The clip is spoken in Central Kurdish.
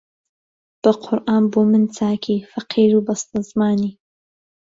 بە قورئان بۆ من چاکی فەقیر و بەستەزمانی